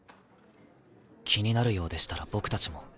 気になるようでしたら僕たちも。